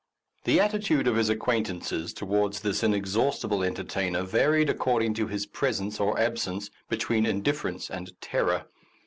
The attitude of his acquaint ances towards this inexhaustible enter tainer varied according to his presence or absence between indifference and terror.